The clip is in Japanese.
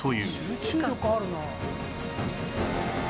集中力あるな。